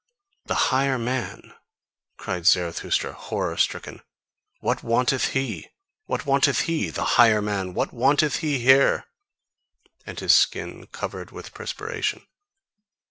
"The higher man?" cried Zarathustra, horror stricken: "what wanteth HE? What wanteth HE? The higher man! What wanteth he here?" and his skin covered with perspiration.